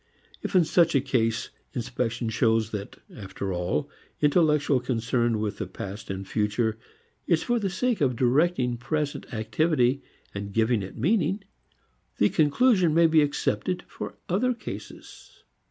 If in such a case inspection shows that, after all, intellectual concern with the past and future is for the sake of directing present activity and giving it meaning, the conclusion may be accepted for other cases.